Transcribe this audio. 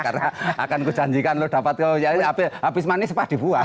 karena akan kujanjikan lo dapat habis manis pak dibuat